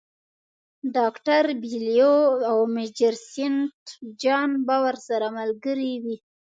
ډاکټر بیلیو او میجر سینټ جان به ورسره ملګري وي.